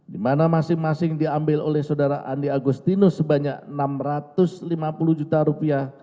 dimana masing masing diambil oleh saudara andi agustinus sebanyak rp enam ratus lima puluh